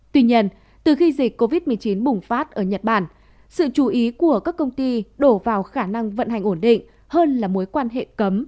tuy nhiên từ khi dịch covid một mươi chín bùng phát ở nhật bản sự chú ý của các công ty đổ vào khả năng vận hành ổn định hơn là mối quan hệ cấm